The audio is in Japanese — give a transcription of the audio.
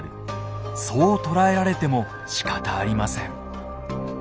そう捉えられてもしかたありません。